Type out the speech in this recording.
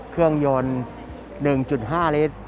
เครื่องยนต์๑๕ลิตร